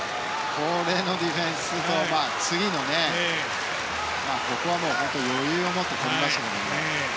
このディフェンス、次ここは余裕を持って取りました。